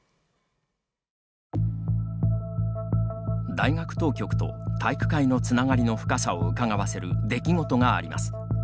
大学当局と体育会のつながりの深さをうかがわせる出来事があります。